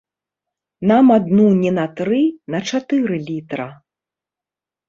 Нам адну не на тры, на чатыры літра!